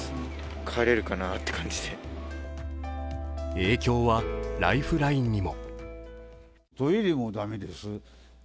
影響はライフラインにも。